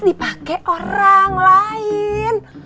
dipakai orang lain